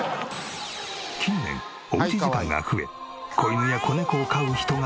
近年おうち時間が増え子犬や子猫を飼う人が増加。